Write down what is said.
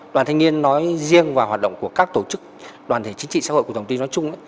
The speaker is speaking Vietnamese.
đoàn thanh niên nói riêng và hoạt động của các tổ chức đoàn thể chính trị xã hội của tổng ty nói chung